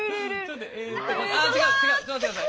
ちょっと待って下さい！